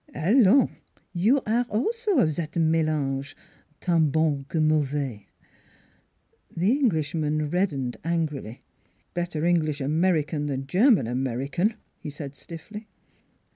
"Allans! You aire also of zat melange tant bon que mauvals." The Englishman reddened angrily. " Better English American than German American," he said stiffly.